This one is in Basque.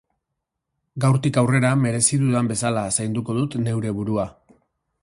Gaurtik aurrera, merezi dudan bezala zainduko dut neure burua.